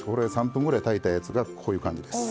３分ぐらい炊いたやつがこういう感じです。